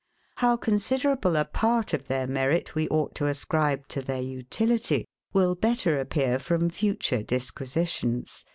How considerable a PART of their merit we ought to ascribe to their utility, will better appear from future disquisitions; [Footnote: Sect.